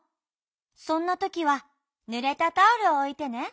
そんなときはぬれたタオルをおいてね。